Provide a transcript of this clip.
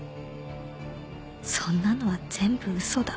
「そんなのは全部嘘だ」